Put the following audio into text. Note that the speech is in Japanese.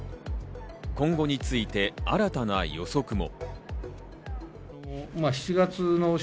今後について新たな予測も。